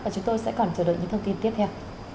chúng tôi sẽ còn chờ đợi những thông tin tiếp theo